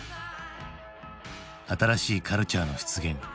新しいカルチャーの出現。